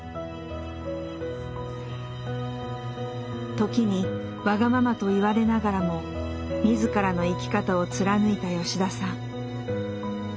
時にわがままと言われながらも自らの生き方を貫いた吉田さん。